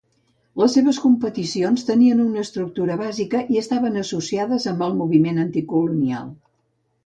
Les competicions tenien una estructura bàsica i estaven associades amb el moviment anticolonial.